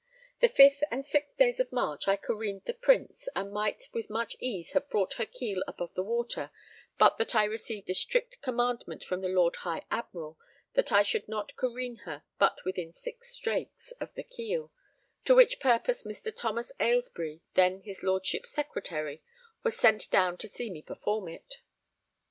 The 5th and 6th days of March I careened the Prince, and might with much ease have brought her keel above the water but that I received a strict commandment from the Lord High Admiral that I should not careen her but within six strakes of the keel, to which purpose Mr. Thomas Aylesbury, then his Lordship's secretary, was sent down to see me perform it.